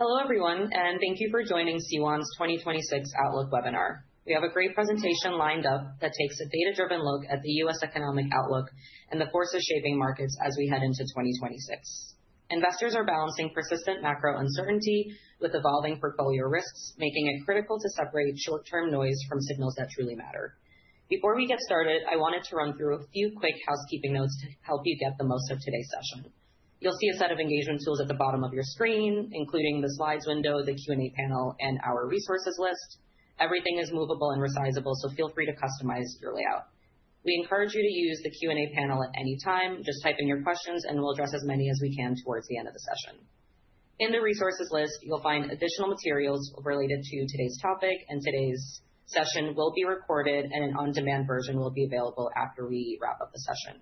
Hello everyone, and thank you for joining C1's 2026 Outlook webinar. We have a great presentation lined up that takes a data-driven look at the U.S. economic outlook and the forces shaping markets as we head into 2026. Investors are balancing persistent macro uncertainty with evolving portfolio risks, making it critical to separate short-term noise from signals that truly matter. Before we get started, I wanted to run through a few quick housekeeping notes to help you get the most of today's session. You'll see a set of engagement tools at the bottom of your screen, including the slides window, the Q&A panel, and our resources list. Everything is movable and resizable, so feel free to customize your layout. We encourage you to use the Q&A panel at any time. Just type in your questions, and we'll address as many as we can towards the end of the session. In the resources list, you'll find additional materials related to today's topic, and today's session will be recorded, and an on-demand version will be available after we wrap up the session.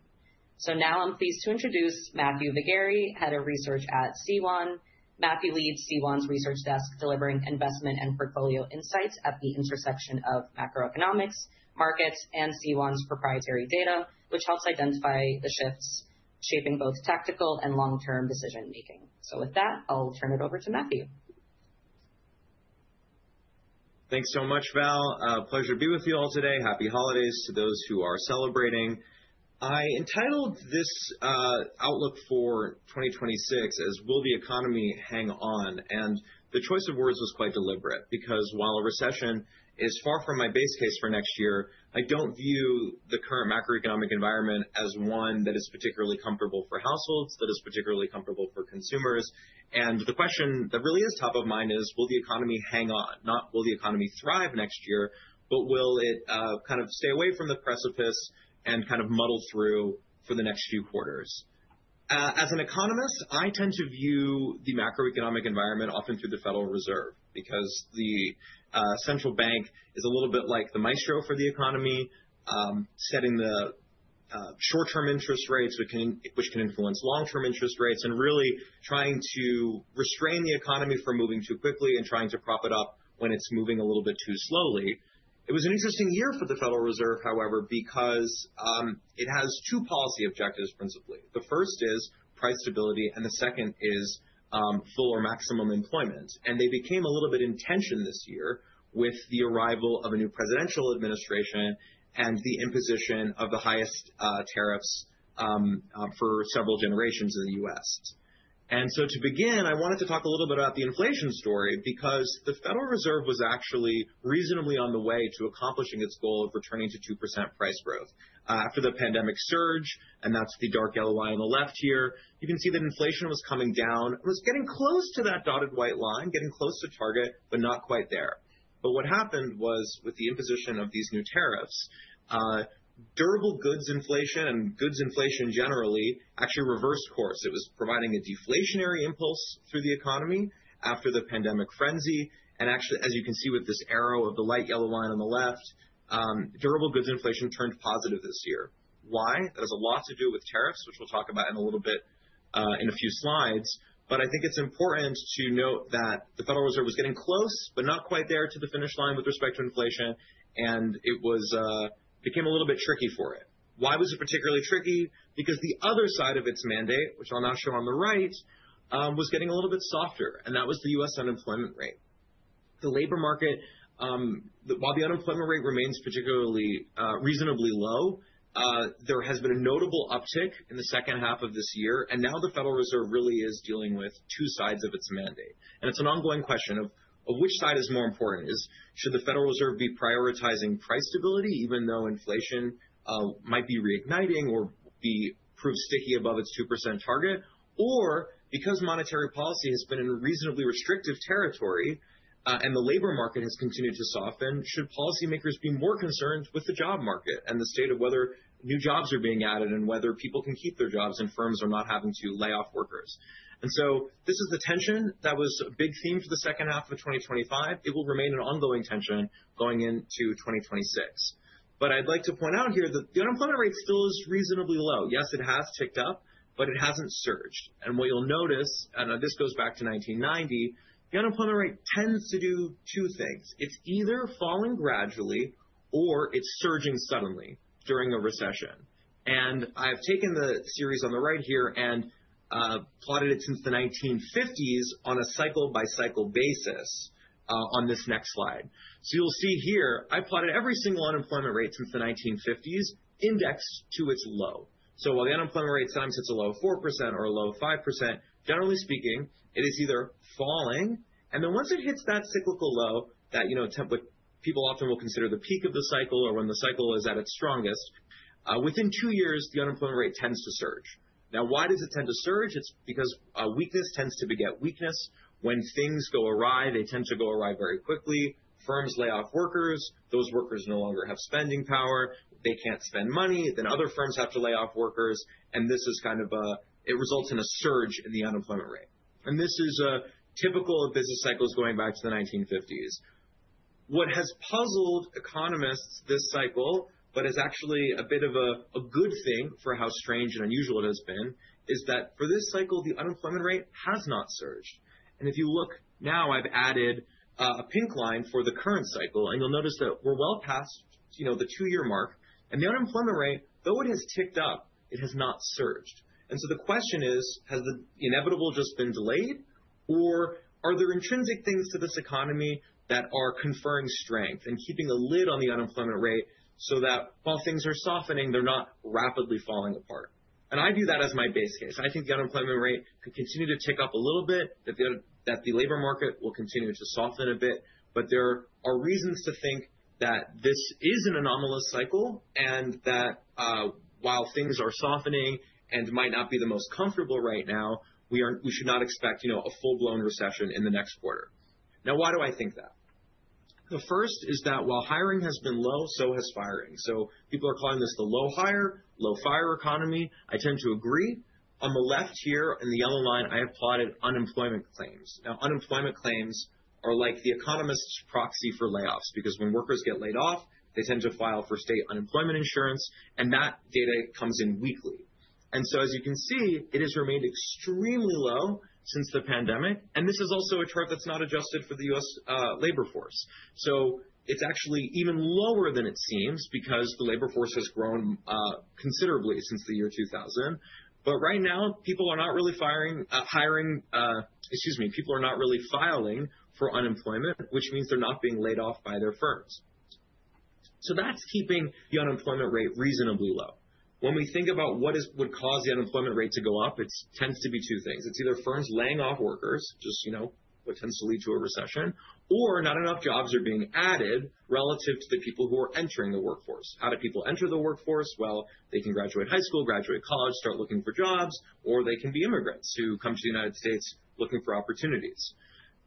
So now I'm pleased to introduce Matthew Vegari, Head of Research at C1. Matthew leads C1's research desk, delivering investment and portfolio insights at the intersection of macroeconomics, markets, and C1's proprietary data, which helps identify the shifts shaping both tactical and long-term decision-making. So with that, I'll turn it over to Matthew. Thanks so much, Val. Pleasure to be with you all today. Happy holidays to those who are celebrating. I entitled this outlook for 2026 as "Will the Economy Hang On?" The choice of words was quite deliberate because while a recession is far from my base case for next year, I don't view the current macroeconomic environment as one that is particularly comfortable for households, that is particularly comfortable for consumers. The question that really is top of mind is, will the economy hang on? Not will the economy thrive next year, but will it kind of stay away from the precipice and kind of muddle through for the next few quarters? As an economist, I tend to view the macroeconomic environment often through the Federal Reserve because the central bank is a little bit like the maestro for the economy, setting the short-term interest rates, which can influence long-term interest rates, and really trying to restrain the economy from moving too quickly and trying to prop it up when it's moving a little bit too slowly. It was an interesting year for the Federal Reserve, however, because it has two policy objectives principally. The first is price stability, and the second is full or maximum employment. They became a little bit in tension this year with the arrival of a new presidential administration and the imposition of the highest tariffs for several generations in the U.S. So to begin, I wanted to talk a little bit about the inflation story because the Federal Reserve was actually reasonably on the way to accomplishing its goal of returning to 2% price growth after the pandemic surge, and that's the dark yellow line on the left here. You can see that inflation was coming down. It was getting close to that dotted white line, getting close to target, but not quite there. But what happened was with the imposition of these new tariffs, durable goods inflation and goods inflation generally actually reversed course. It was providing a deflationary impulse through the economy after the pandemic frenzy. And actually, as you can see with this arrow of the light yellow line on the left, durable goods inflation turned positive this year. Why? That has a lot to do with tariffs, which we'll talk about in a little bit in a few slides. But I think it's important to note that the Federal Reserve was getting close, but not quite there to the finish line with respect to inflation, and it became a little bit tricky for it. Why was it particularly tricky? Because the other side of its mandate, which I'll now show on the right, was getting a little bit softer, and that was the U.S. unemployment rate. The labor market, while the unemployment rate remains particularly reasonably low, there has been a notable uptick in the second half of this year, and now the Federal Reserve really is dealing with two sides of its mandate. It's an ongoing question of which side is more important. Should the Federal Reserve be prioritizing price stability, even though inflation might be reigniting or prove sticky above its 2% target, or because monetary policy has been in reasonably restrictive territory and the labor market has continued to soften, should policymakers be more concerned with the job market and the state of whether new jobs are being added and whether people can keep their jobs and firms are not having to lay off workers? And so this is the tension that was a big theme for the second half of 2025. It will remain an ongoing tension going into 2026. But I'd like to point out here that the unemployment rate still is reasonably low. Yes, it has ticked up, but it hasn't surged. And what you'll notice, and this goes back to 1990, the unemployment rate tends to do two things. It's either falling gradually or it's surging suddenly during a recession. I have taken the series on the right here and plotted it since the 1950s on a cycle-by-cycle basis on this next slide. You'll see here, I plotted every single unemployment rate since the 1950s indexed to its low. While the unemployment rate sometimes hits a low of 4% or a low of 5%, generally speaking, it is either falling, and then once it hits that cyclical low that people often will consider the peak of the cycle or when the cycle is at its strongest, within two years, the unemployment rate tends to surge. Now, why does it tend to surge? It's because weakness tends to beget weakness. When things go awry, they tend to go awry very quickly. Firms lay off workers. Those workers no longer have spending power. They can't spend money. Then other firms have to lay off workers. This is kind of a result in a surge in the unemployment rate. This is typical of business cycles going back to the 1950s. What has puzzled economists this cycle, but is actually a bit of a good thing for how strange and unusual it has been, is that for this cycle, the unemployment rate has not surged. If you look now, I've added a pink line for the current cycle, and you'll notice that we're well past the two year mark. The unemployment rate, though it has ticked up, it has not surged. So the question is, has the inevitable just been delayed, or are there intrinsic things to this economy that are conferring strength and keeping a lid on the unemployment rate so that while things are softening, they're not rapidly falling apart? I view that as my base case. I think the unemployment rate could continue to tick up a little bit, that the labor market will continue to soften a bit, but there are reasons to think that this is an anomalous cycle and that while things are softening and might not be the most comfortable right now, we should not expect a full-blown recession in the next quarter. Now, why do I think that? The first is that while hiring has been low, so has firing. So people are calling this the low hire, low fire economy. I tend to agree. On the left here in the yellow line, I have plotted unemployment claims. Now, unemployment claims are like the economist's proxy for layoffs because when workers get laid off, they tend to file for state unemployment insurance, and that data comes in weekly. As you can see, it has remained extremely low since the pandemic. This is also a chart that's not adjusted for the U.S. labor force. It's actually even lower than it seems because the labor force has grown considerably since the year 2000. But right now, people are not really hiring. Excuse me, people are not really filing for unemployment, which means they're not being laid off by their firms. That's keeping the unemployment rate reasonably low. When we think about what would cause the unemployment rate to go up, it tends to be two things. It's either firms laying off workers, just what tends to lead to a recession, or not enough jobs are being added relative to the people who are entering the workforce. How do people enter the workforce? Well, they can graduate high school, graduate college, start looking for jobs, or they can be immigrants who come to the United States looking for opportunities.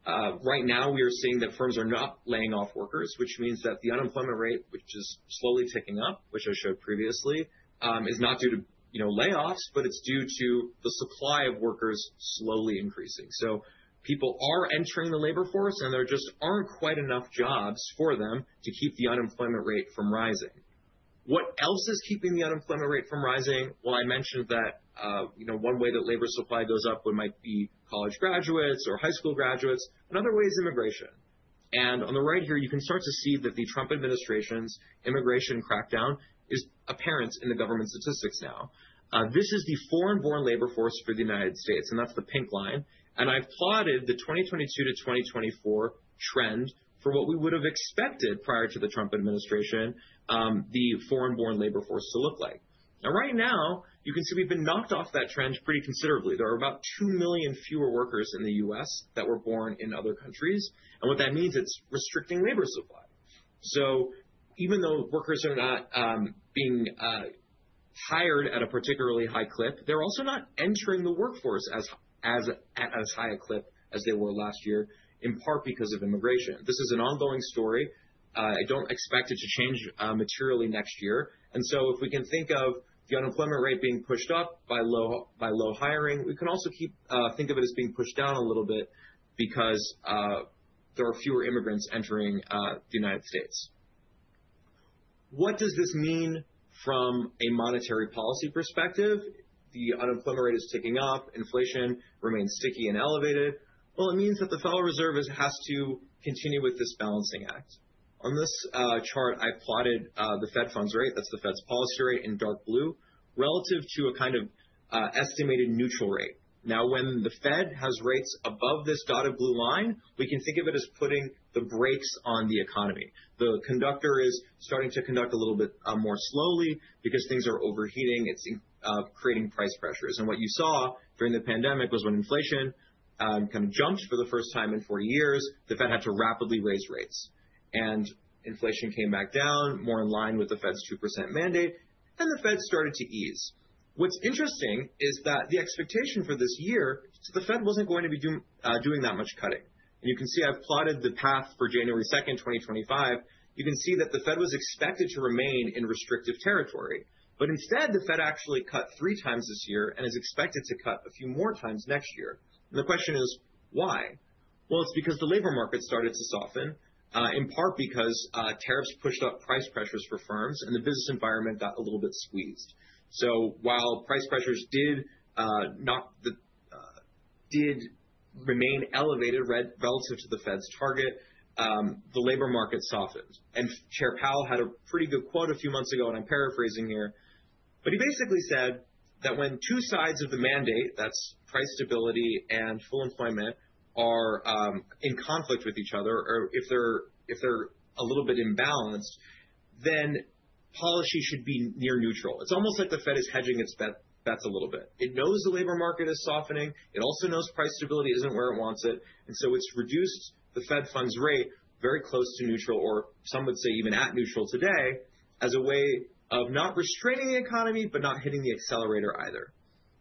Right now, we are seeing that firms are not laying off workers, which means that the unemployment rate, which is slowly ticking up, which I showed previously, is not due to layoffs, but it's due to the supply of workers slowly increasing. So people are entering the labor force, and there just aren't quite enough jobs for them to keep the unemployment rate from rising. What else is keeping the unemployment rate from rising? Well, I mentioned that one way that labor supply goes up might be college graduates or high school graduates. Another way is immigration. And on the right here, you can start to see that the Trump administration's immigration crackdown is apparent in the government statistics now. This is the foreign-born labor force for the United States, and that's the pink line. I've plotted the 2022 to 2024 trend for what we would have expected prior to the Trump administration, the foreign-born labor force to look like. Right now, you can see we've been knocked off that trend pretty considerably. There are about 2 million fewer workers in the U.S. that were born in other countries. What that means is it's restricting labor supply. Even though workers are not being hired at a particularly high clip, they're also not entering the workforce at as high a clip as they were last year, in part because of immigration. This is an ongoing story. I don't expect it to change materially next year. And so if we can think of the unemployment rate being pushed up by low hiring, we can also think of it as being pushed down a little bit because there are fewer immigrants entering the United States. What does this mean from a monetary policy perspective? The unemployment rate is ticking up. Inflation remains sticky and elevated. Well, it means that the Federal Reserve has to continue with this balancing act. On this chart, I plotted the Fed funds rate. That's the Fed's policy rate in dark blue relative to a kind of estimated neutral rate. Now, when the Fed has rates above this dotted blue line, we can think of it as putting the brakes on the economy. The conductor is starting to conduct a little bit more slowly because things are overheating. It's creating price pressures. What you saw during the pandemic was when inflation kind of jumped for the first time in 40 years, the Fed had to rapidly raise rates. Inflation came back down, more in line with the Fed's 2% mandate, and the Fed started to ease. What's interesting is that the expectation for this year, the Fed wasn't going to be doing that much cutting. You can see I've plotted the path for January 2nd, 2025. You can see that the Fed was expected to remain in restrictive territory, but instead, the Fed actually cut three times this year and is expected to cut a few more times next year. The question is, why? Well, it's because the labor market started to soften, in part because tariffs pushed up price pressures for firms and the business environment got a little bit squeezed. So while price pressures did remain elevated relative to the Fed's target, the labor market softened. Chair Powell had a pretty good quote a few months ago, and I'm paraphrasing here, but he basically said that when two sides of the mandate, that's price stability and full employment, are in conflict with each other, or if they're a little bit imbalanced, then policy should be near neutral. It's almost like the Fed is hedging its bets a little bit. It knows the labor market is softening. It also knows price stability isn't where it wants it. And so it's reduced the Fed funds rate very close to neutral, or some would say even at neutral today, as a way of not restraining the economy, but not hitting the accelerator either.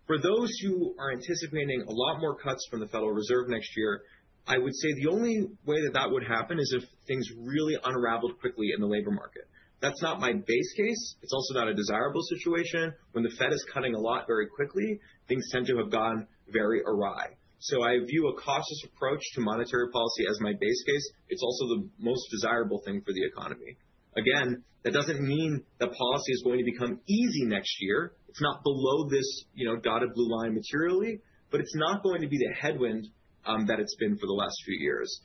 For those who are anticipating a lot more cuts from the Federal Reserve next year, I would say the only way that that would happen is if things really unraveled quickly in the labor market. That's not my base case. It's also not a desirable situation. When the Fed is cutting a lot very quickly, things tend to have gone very awry. So I view a cautious approach to monetary policy as my base case. It's also the most desirable thing for the economy. Again, that doesn't mean that policy is going to become easy next year. It's not below this dotted blue line materially, but it's not going to be the headwind that it's been for the last few years.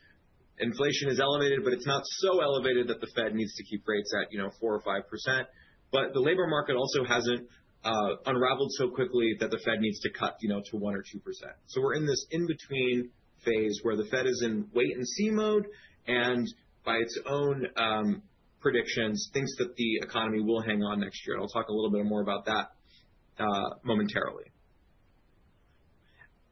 Inflation is elevated, but it's not so elevated that the Fed needs to keep rates at 4% or 5%. But the labor market also hasn't unraveled so quickly that the Fed needs to cut to 1% or 2%. So we're in this in-between phase where the Fed is in wait-and-see mode and by its own predictions, thinks that the economy will hang on next year. And I'll talk a little bit more about that momentarily.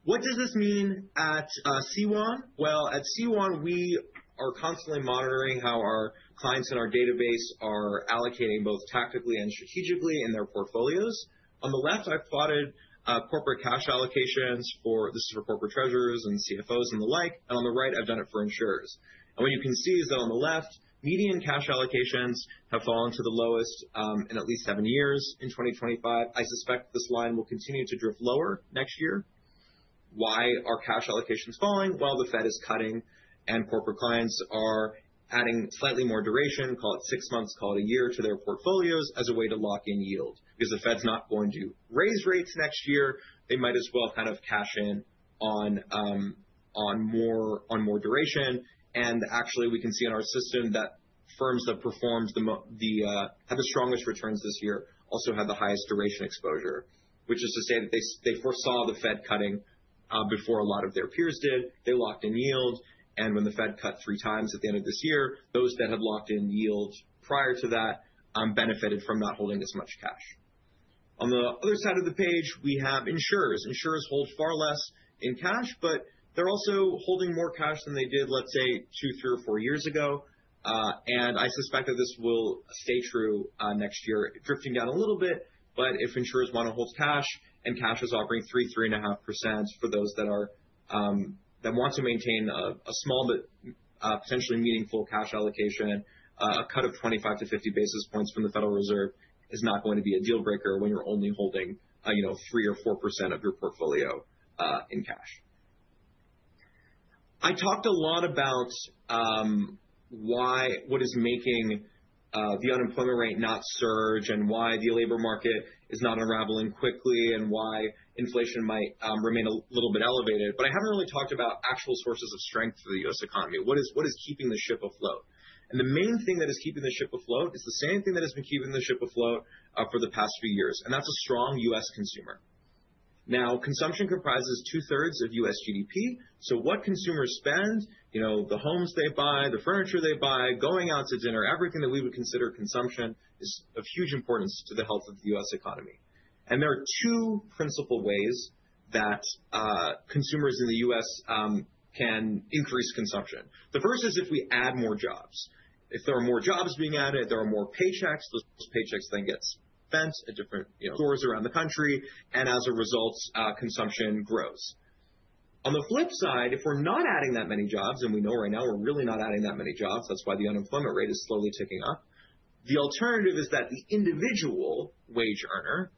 What does this mean at C1? Well, at C1, we are constantly monitoring how our clients in our database are allocating both tactically and strategically in their portfolios. On the left, I've plotted corporate cash allocations for corporate treasurers and CFOs and the like. And on the right, I've done it for insurers. And what you can see is that on the left, median cash allocations have fallen to the lowest in at least seven years, in 2025. I suspect this line will continue to drift lower next year. Why are cash allocations falling? Well, the Fed is cutting and corporate clients are adding slightly more duration, call it six months, call it a year to their portfolios as a way to lock in yield because the Fed's not going to raise rates next year. They might as well kind of cash in on more duration. And actually, we can see in our system that firms that have the strongest returns this year also have the highest duration exposure, which is to say that they foresaw the Fed cutting before a lot of their peers did. They locked in yield. And when the Fed cut 3x at the end of this year, those that had locked in yield prior to that benefited from not holding as much cash. On the other side of the page, we have insurers. Insurers hold far less in cash, but they're also holding more cash than they did, let's say, two, three, or four years ago. I suspect that this will stay true next year, drifting down a little bit. But if insurers want to hold cash and cash is offering three, 3.5% for those that want to maintain a small, potentially meaningful cash allocation, a cut of 25-50 basis points from the Federal Reserve is not going to be a deal breaker when you're only holding three or 4% of your portfolio in cash. I talked a lot about what is making the unemployment rate not surge and why the labor market is not unraveling quickly and why inflation might remain a little bit elevated. But I haven't really talked about actual sources of strength for the U.S. economy. What is keeping the ship afloat? The main thing that is keeping the ship afloat is the same thing that has been keeping the ship afloat for the past few years. That's a strong U.S. consumer. Now, consumption comprises 2/3 of U.S. GDP. What consumers spend, the homes they buy, the furniture they buy, going out to dinner, everything that we would consider consumption is of huge importance to the health of the U.S. economy. There are two principal ways that consumers in the U.S. can increase consumption. The first is if we add more jobs. If there are more jobs being added, there are more paychecks. Those paychecks then get spent at different stores around the country. As a result, consumption grows. On the flip side, if we're not adding that many jobs, and we know right now we're really not adding that many jobs, that's why the unemployment rate is slowly ticking up. The alternative is that the individual wage earner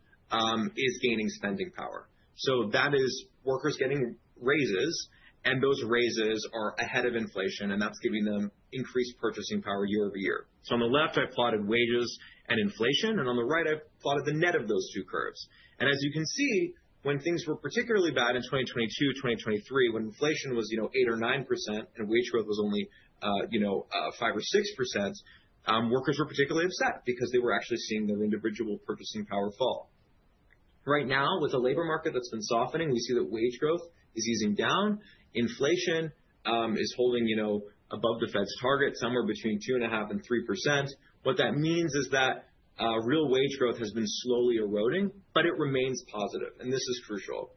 is gaining spending power. So that is workers getting raises, and those raises are ahead of inflation, and that's giving them increased purchasing power year-over-year. So on the left, I plotted wages and inflation, and on the right, I plotted the net of those two curves. And as you can see, when things were particularly bad in 2022, 2023, when inflation was 8% or 9% and wage growth was only 5% or 6%, workers were particularly upset because they were actually seeing their individual purchasing power fall. Right now, with the labor market that's been softening, we see that wage growth is easing down. Inflation is holding above the Fed's target, somewhere between 2.5% and 3%. What that means is that real wage growth has been slowly eroding, but it remains positive. This is crucial.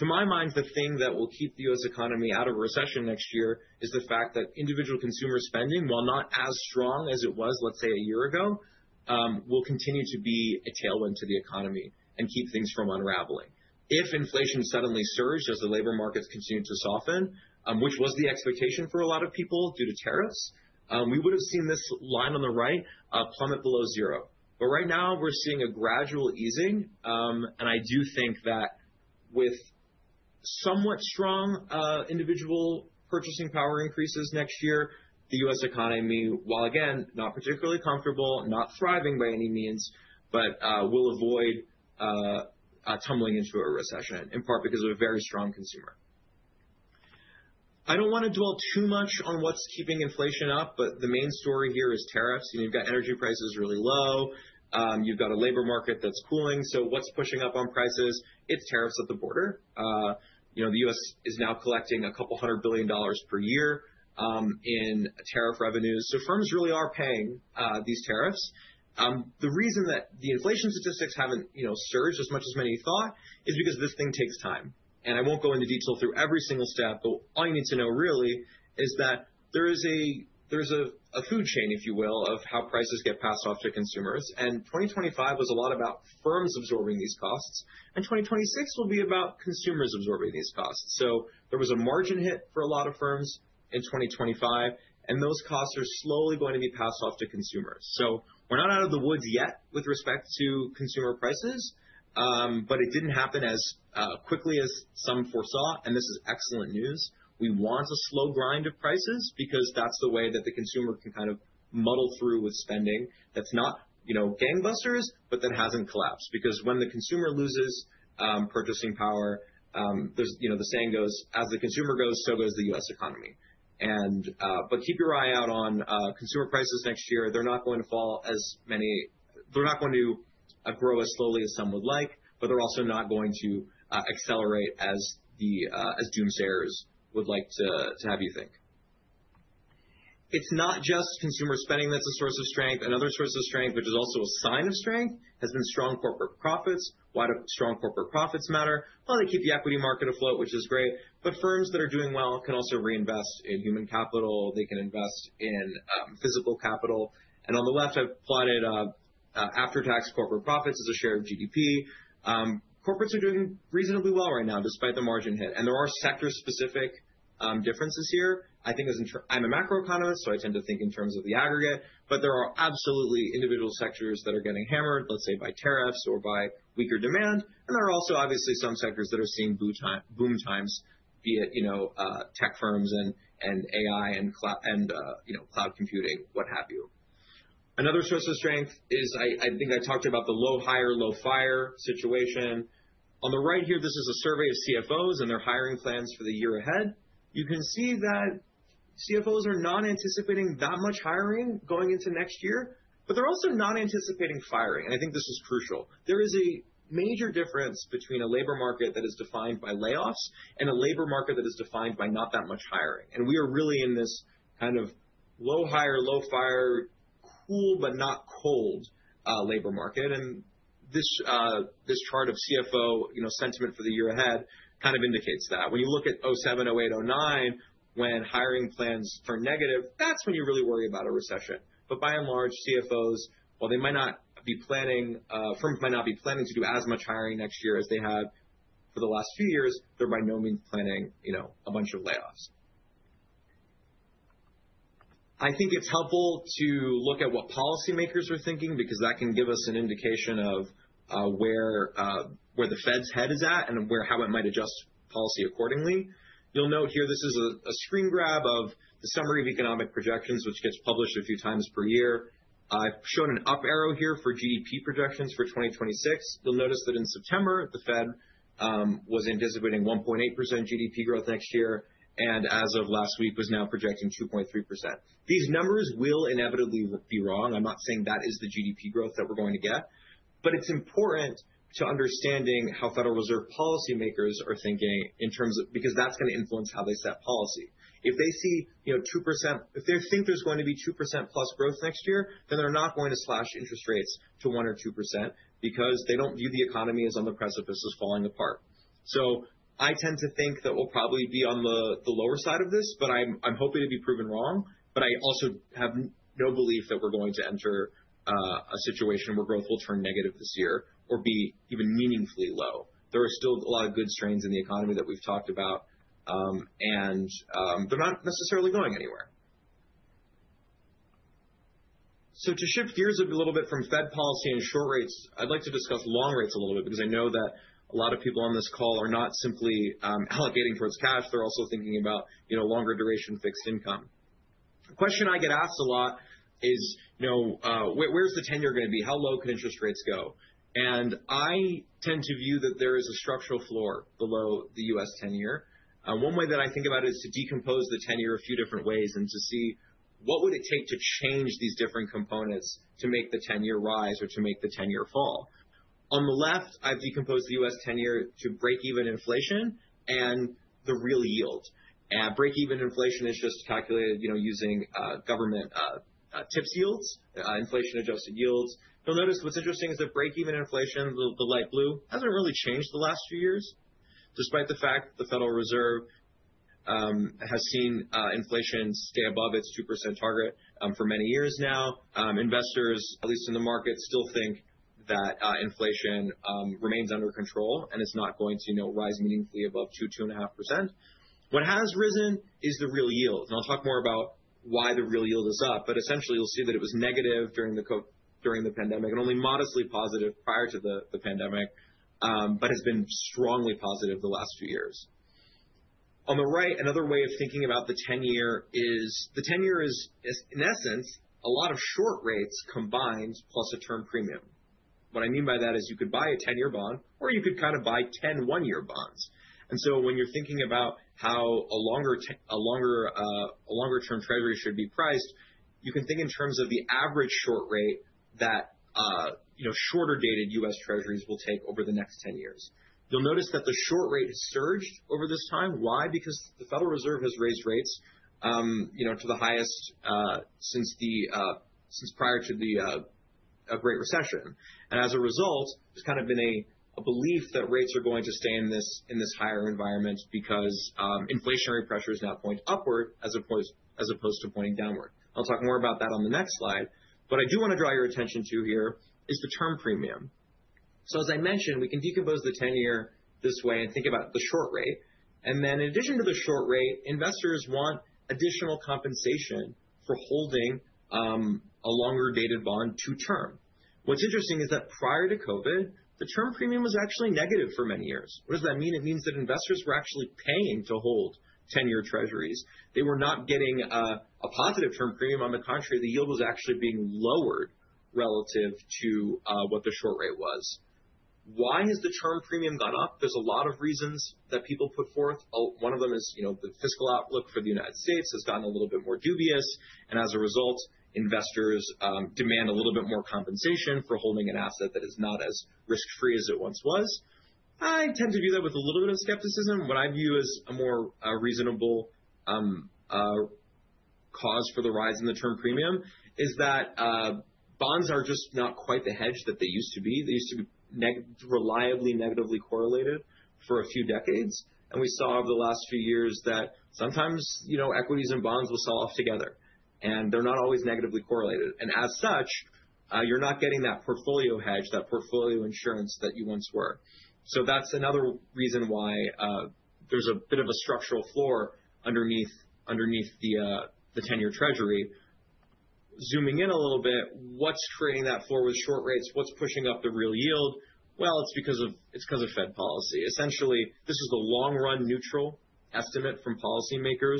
To my mind, the thing that will keep the U.S. economy out of a recession next year is the fact that individual consumer spending, while not as strong as it was, let's say, a year ago, will continue to be a tailwind to the economy and keep things from unraveling. If inflation suddenly surged as the labor markets continue to soften, which was the expectation for a lot of people due to tariffs, we would have seen this line on the right plummet below zero. But right now, we're seeing a gradual easing. I do think that with somewhat strong individual purchasing power increases next year, the U.S. Economy, while again not particularly comfortable, not thriving by any means, but will avoid tumbling into a recession, in part because of a very strong consumer. I don't want to dwell too much on what's keeping inflation up, but the main story here is tariffs. You've got energy prices really low. You've got a labor market that's cooling. So what's pushing up on prices? It's tariffs at the border. The U.S. is now collecting $200 billion per year in tariff revenues. So firms really are paying these tariffs. The reason that the inflation statistics haven't surged as much as many thought is because this thing takes time. I won't go into detail through every single step, but all you need to know really is that there is a food chain, if you will, of how prices get passed off to consumers. 2025 was a lot about firms absorbing these costs. 2026 will be about consumers absorbing these costs. So there was a margin hit for a lot of firms in 2025, and those costs are slowly going to be passed off to consumers. So we're not out of the woods yet with respect to consumer prices, but it didn't happen as quickly as some foresaw. And this is excellent news. We want a slow grind of prices because that's the way that the consumer can kind of muddle through with spending that's not gangbusters, but that hasn't collapsed. Because when the consumer loses purchasing power, the saying goes, as the consumer goes, so goes the U.S. economy. But keep your eye out on consumer prices next year. They're not going to fall as many. They're not going to grow as slowly as some would like, but they're also not going to accelerate as doomsdayers would like to have you think. It's not just consumer spending that's a source of strength. Another source of strength, which is also a sign of strength, has been strong corporate profits. Why do strong corporate profits matter? Well, they keep the equity market afloat, which is great. But firms that are doing well can also reinvest in human capital. They can invest in physical capital. And on the left, I've plotted after-tax corporate profits as a share of GDP. Corporates are doing reasonably well right now despite the margin hit. And there are sector specific differences here. I'm a macroeconomist, so I tend to think in terms of the aggregate, but there are absolutely individual sectors that are getting hammered, let's say, by tariffs or by weaker demand. And there are also obviously some sectors that are seeing boom times, be it tech firms and AI and cloud computing, what have you. Another source of strength is, I think I talked about the low-hire, low-fire situation. On the right here, this is a survey of CFOs and their hiring plans for the year ahead. You can see that CFOs are not anticipating that much hiring going into next year, but they're also not anticipating firing. And I think this is crucial. There is a major difference between a labor market that is defined by layoffs and a labor market that is defined by not that much hiring. And we are really in this kind of low-hire, low-fire, cool but not cold labor market. And this chart of CFO sentiment for the year ahead kind of indicates that. When you look at 2007, 2008, 2009, when hiring plans turn negative, that's when you really worry about a recession. But by and large, CFOs, while they might not be planning, firms might not be planning to do as much hiring next year as they have for the last few years, they're by no means planning a bunch of layoffs. I think it's helpful to look at what policymakers are thinking because that can give us an indication of where the Fed's head is at and how it might adjust policy accordingly. You'll note here this is a screen grab of the Summary of Economic Projections, which gets published a few times per year. I've shown an up arrow here for GDP projections for 2026. You'll notice that in September, the Fed was anticipating 1.8% GDP growth next year, and as of last week, was now projecting 2.3%. These numbers will inevitably be wrong. I'm not saying that is the GDP growth that we're going to get, but it's important to understand how Federal Reserve policymakers are thinking because that's going to influence how they set policy. If they see 2%, if they think there's going to be 2% plus growth next year, then they're not going to slash interest rates to 1% or 2% because they don't view the economy as on the precipice of falling apart. So I tend to think that we'll probably be on the lower side of this, but I'm hoping to be proven wrong. But I also have no belief that we're going to enter a situation where growth will turn negative this year or be even meaningfully low. There are still a lot of good strains in the economy that we've talked about, and they're not necessarily going anywhere. So to shift gears a little bit from Fed policy and short rates, I'd like to discuss long rates a little bit because I know that a lot of people on this call are not simply allocating towards cash. They're also thinking about longer duration fixed income. The question I get asked a lot is, where's the 10 year going to be? How low can interest rates go? And I tend to view that there is a structural floor below the U.S. 10 year. One way that I think about it is to decompose the 10 year a few different ways and to see what would it take to change these different components to make the 10 year rise or to make the 10 year fall. On the left, I've decomposed the U.S. 10 year to breakeven inflation and the real yield. Breakeven inflation is just calculated using government TIPS yields, inflation-adjusted yields. You'll notice what's interesting is that break-even inflation, the light blue, hasn't really changed the last few years, despite the fact that the Federal Reserve has seen inflation stay above its 2% target for many years now. Investors, at least in the market, still think that inflation remains under control and is not going to rise meaningfully above 2%, 2.5%. What has risen is the real yield. I'll talk more about why the real yield is up, but essentially you'll see that it was negative during the pandemic and only modestly positive prior to the pandemic, but has been strongly positive the last few years. On the right, another way of thinking about the 10 year is the 10 year is, in essence, a lot of short rates combined plus a term premium. What I mean by that is you could buy a 10-year bond or you could kind of buy 10 one-year bonds. And so when you're thinking about how a longer-term treasury should be priced, you can think in terms of the average short rate that shorter-dated U.S. Treasuries will take over the next 10 years. You'll notice that the short rate has surged over this time. Why? Because the Federal Reserve has raised rates to the highest since prior to a Great Recession. And as a result, there's kind of been a belief that rates are going to stay in this higher environment because inflationary pressure is now pointing upward as opposed to pointing downward. I'll talk more about that on the next slide. But I do want to draw your attention to here is the term premium. So as I mentioned, we can decompose the term this way and think about the short rate. And then in addition to the short rate, investors want additional compensation for holding a longer-dated bond to term. What's interesting is that prior to COVID, the term premium was actually negative for many years. What does that mean? It means that investors were actually paying to hold 10-year Treasuries. They were not getting a positive term premium. On the contrary, the yield was actually being lowered relative to what the short rate was. Why has the term premium gone up? There's a lot of reasons that people put forth. One of them is the fiscal outlook for the United States has gotten a little bit more dubious. And as a result, investors demand a little bit more compensation for holding an asset that is not as risk-free as it once was. I tend to view that with a little bit of skepticism. What I view as a more reasonable cause for the rise in the term premium is that bonds are just not quite the hedge that they used to be. They used to be reliably negatively correlated for a few decades. We saw over the last few years that sometimes equities and bonds will sell off together, and they're not always negatively correlated. As such, you're not getting that portfolio hedge, that portfolio insurance that you once were. That's another reason why there's a bit of a structural floor underneath the 10 year Treasury. Zooming in a little bit, what's creating that floor with short rates? What's pushing up the real yield? Well, it's because of Fed policy. Essentially, this is the long-run neutral estimate from policymakers.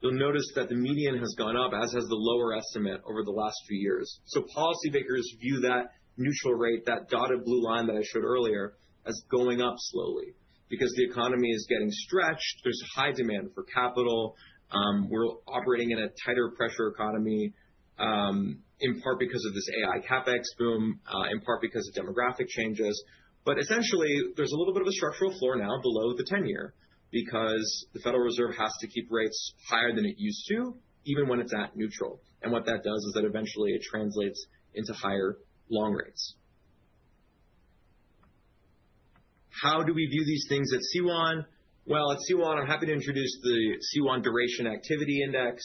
You'll notice that the median has gone up, as has the lower estimate over the last few years. So policymakers view that neutral rate, that dotted blue line that I showed earlier, as going up slowly because the economy is getting stretched. There's high demand for capital. We're operating in a tighter pressure economy, in part because of this AI CapEx boom, in part because of demographic changes. But essentially, there's a little bit of a structural floor now below the 10 year because the Federal Reserve has to keep rates higher than it used to, even when it's at neutral. And what that does is that eventually it translates into higher long rates. How do we view these things at C1? Well, at C1, I'm happy to introduce the C1 Duration Activity Index.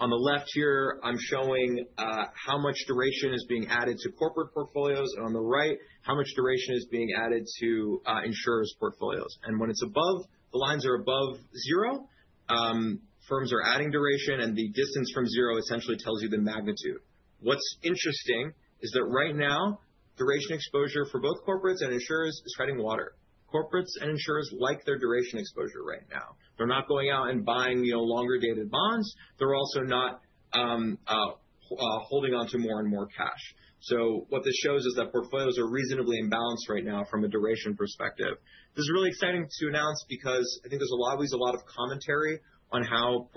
On the left here, I'm showing how much duration is being added to corporate portfolios. On the right, how much duration is being added to insurers' portfolios. When it's above, the lines are above zero, firms are adding duration, and the distance from zero essentially tells you the magnitude. What's interesting is that right now, duration exposure for both corporates and insurers is treading water. Corporates and insurers like their duration exposure right now. They're not going out and buying longer-dated bonds. They're also not holding onto more and more cash. So what this shows is that portfolios are reasonably imbalanced right now from a duration perspective. This is really exciting to announce because I think there's always a lot of commentary on how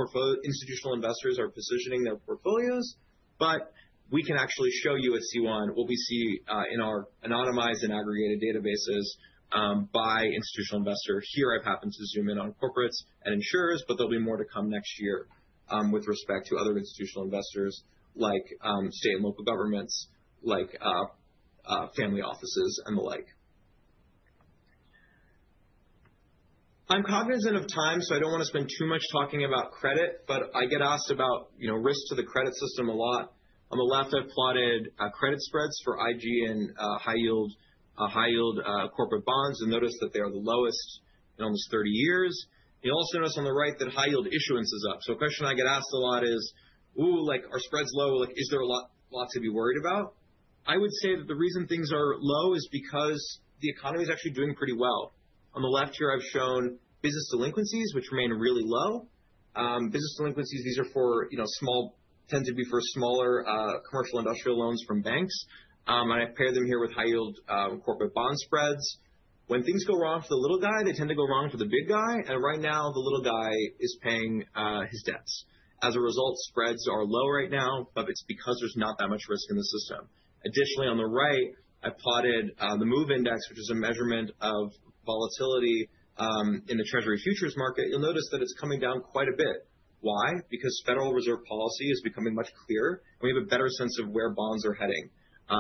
institutional investors are positioning their portfolios. But we can actually show you at C1 what we see in our anonymized and aggregated databases by institutional investors. Here, I've happened to zoom in on corporates and insurers, but there'll be more to come next year with respect to other institutional investors like state and local governments, like family offices and the like. I'm cognizant of time, so I don't want to spend too much talking about credit, but I get asked about risk to the credit system a lot. On the left, I've plotted credit spreads for high-yield corporate bonds and noticed that they are the lowest in almost 30 years. You'll also notice on the right that high-yield issuance is up. So a question I get asked a lot is, ooh, are spreads low? Is there a lot to be worried about? I would say that the reason things are low is because the economy is actually doing pretty well. On the left here, I've shown business delinquencies, which remain really low. Business delinquencies, these are for small, tend to be for smaller commercial industrial loans from banks. And I've paired them here with high-yield corporate bond spreads. When things go wrong for the little guy, they tend to go wrong for the big guy. And right now, the little guy is paying his debts. As a result, spreads are low right now, but it's because there's not that much risk in the system. Additionally, on the right, I've plotted the MOVE Index, which is a measurement of volatility in the Treasury futures market. You'll notice that it's coming down quite a bit. Why? Because Federal Reserve policy is becoming much clearer, and we have a better sense of where bonds are heading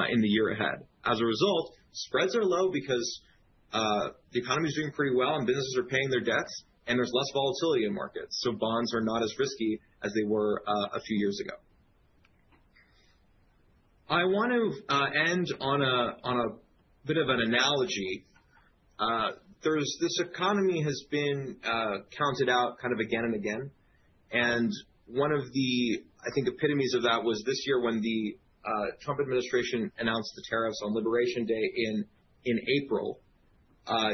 in the year ahead. As a result, spreads are low because the economy is doing pretty well and businesses are paying their debts, and there's less volatility in markets. So bonds are not as risky as they were a few years ago. I want to end on a bit of an analogy. This economy has been counted out kind of again and again. And one of the, I think, epitomes of that was this year when the Trump administration announced the tariffs on Liberation Day in April.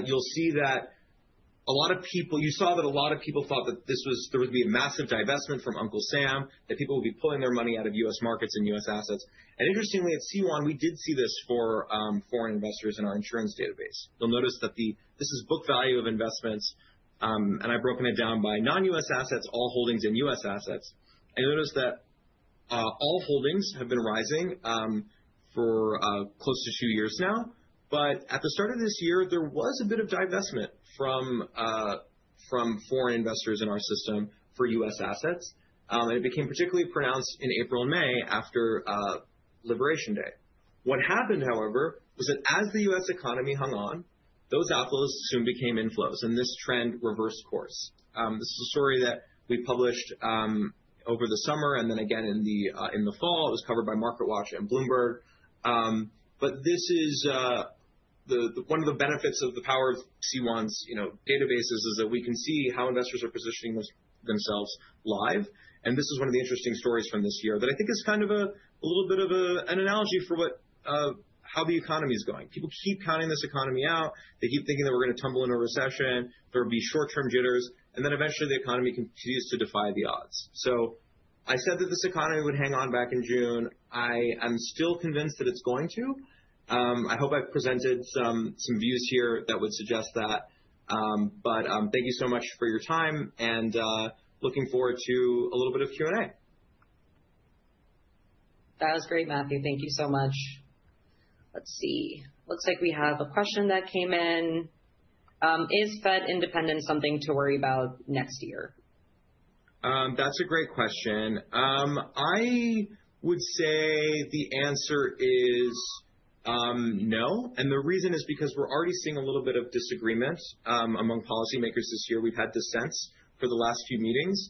You'll see that a lot of people, you saw that a lot of people thought that there would be a massive divestment from Uncle Sam, that people would be pulling their money out of U.S. markets and U.S. assets. And interestingly, at C1, we did see this for foreign investors in our insurance database. You'll notice that this is book value of investments, and I've broken it down by non-U.S. assets, all holdings in U.S. assets. And you'll notice that all holdings have been rising for close to two years now. At the start of this year, there was a bit of divestment from foreign investors in our system for U.S. assets. It became particularly pronounced in April and May after Liberation Day. What happened, however, was that as the U.S. economy hung on, those outflows soon became inflows, and this trend reversed course. This is a story that we published over the summer and then again in the fall. It was covered by MarketWatch and Bloomberg. But this is one of the benefits of the power of C1's databases is that we can see how investors are positioning themselves live. This is one of the interesting stories from this year that I think is kind of a little bit of an analogy for how the economy is going. People keep counting this economy out. They keep thinking that we're going to tumble in a recession, there will be short-term jitters, and then eventually the economy continues to defy the odds. So I said that this economy would hang on back in June. I am still convinced that it's going to. I hope I've presented some views here that would suggest that. But thank you so much for your time, and looking forward to a little bit of Q&A. That was great, Matthew. Thank you so much. Let's see. Looks like we have a question that came in. Is Fed independence something to worry about next year? That's a great question. I would say the answer is no. The reason is because we're already seeing a little bit of disagreement among policymakers this year. We've had dissent for the last few meetings.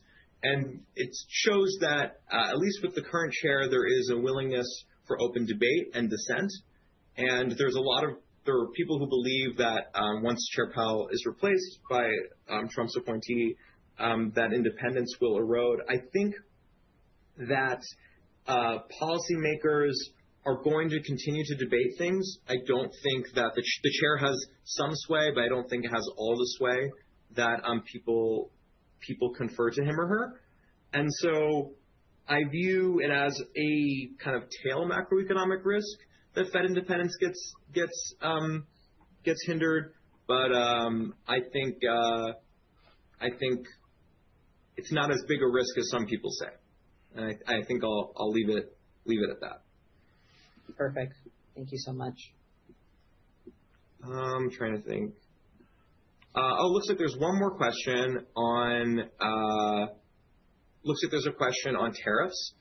It shows that, at least with the current chair, there is a willingness for open debate and dissent. There are people who believe that once Chair Powell is replaced by Trump's appointee, that independence will erode. I think that policymakers are going to continue to debate things. I don't think that the chair has some sway, but I don't think it has all the sway that people confer to him or her. So I view it as a kind of tail macroeconomic risk that Fed independence gets hindered. I think it's not as big a risk as some people say. I think I'll leave it at that. Perfect. Thank you so much. I'm trying to think. Oh, it looks like there's one more question on; looks like there's a question on tariffs.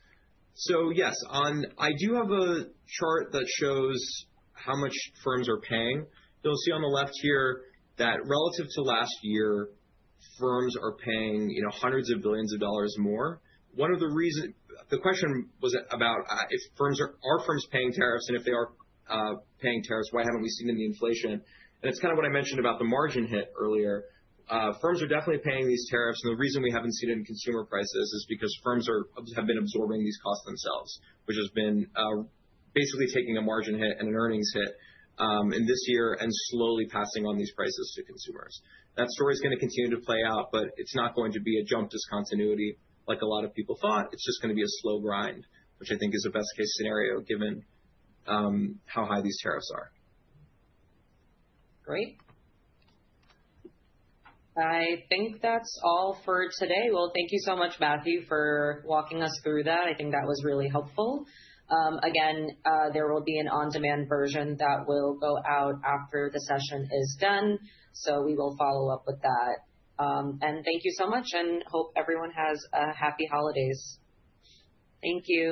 So yes, I do have a chart that shows how much firms are paying. You'll see on the left here that relative to last year, firms are paying hundreds of billions of dollars more. One of the reasons, the question was about if firms are paying tariffs and if they are paying tariffs, why haven't we seen in the inflation? And it's kind of what I mentioned about the margin hit earlier. Firms are definitely paying these tariffs. And the reason we haven't seen it in consumer prices is because firms have been absorbing these costs themselves, which has been basically taking a margin hit and an earnings hit in this year and slowly passing on these prices to consumers. That story is going to continue to play out, but it's not going to be a jump discontinuity like a lot of people thought. It's just going to be a slow grind, which I think is the best-case scenario given how high these tariffs are. Great. I think that's all for today. Well, thank you so much, Matthew, for walking us through that. I think that was really helpful. Again, there will be an on-demand version that will go out after the session is done. We will follow up with that. Thank you so much, and hope everyone has happy holidays. Thank you.